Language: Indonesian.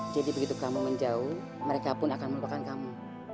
jadi begitu kamu menjauh mereka pun akan melupakan kamu